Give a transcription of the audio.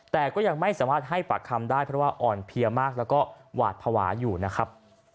แต่ก็ยังไม่สามารถให้ปากคำได้เพราะว่าอ่อนเพลียมากแล้วก็หวาดภาวะอยู่นะครับ